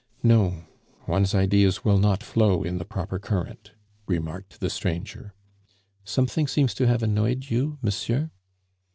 "No; one's ideas will not flow in the proper current," remarked the stranger. "Something seems to have annoyed you, monsieur?"